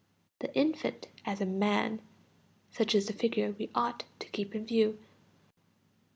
The infant as a man such is the figure we ought to keep in view.